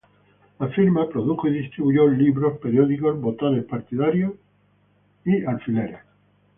La firma produjo y distribuyó libros, periódicos, botones partidarios y alfileres.